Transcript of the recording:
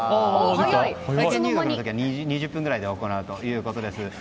体験入学の時は２０分ぐらいで行うそうです。